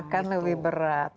akan lebih berat